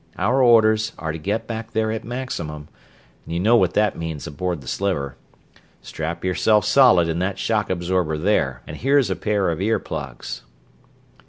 Our orders are to get back there at maximum, and you know what that means aboard the Sliver. Strap yourself solid in that shock absorber there, and here's a pair of ear plugs."